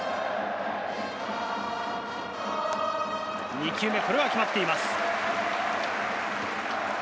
２球目、これは決まっています。